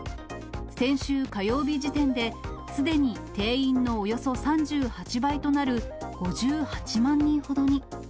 先週火曜日時点で、すでに定員のおよそ３８倍となる５８万人ほどに。